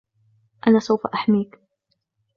أنا سوف أحميك!